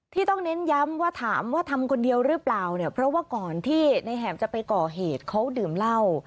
ที่ต้องเน้นย้ำว่าถามว่าทำคนเดียวหรือเปล่าเนี่ยเพราะว่าก่อนที่ในแหมจะไปก่อเหตุเขาดื่มเหล้า